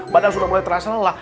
padahal sudah mulai terasa lelah